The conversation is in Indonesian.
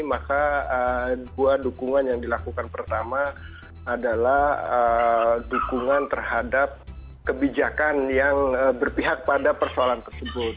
maka dua dukungan yang dilakukan pertama adalah dukungan terhadap kebijakan yang berpihak pada persoalan tersebut